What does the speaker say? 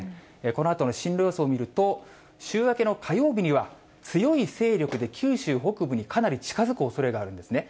このあとの進路予想を見ると、週明けの火曜日には、強い勢力で九州北部にかなり近づくおそれがあるんですね。